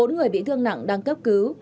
bốn người bị thương nặng đang cấp cứu